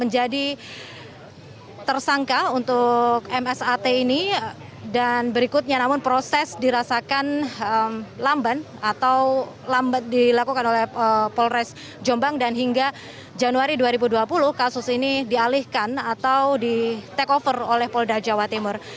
jadi tersangka untuk msat ini dan berikutnya namun proses dirasakan lamban atau lambat dilakukan oleh polres jombang dan hingga januari dua ribu dua puluh kasus ini dialihkan atau di take over oleh polda jawa timur